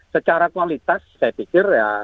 secara kualitas saya pikir ya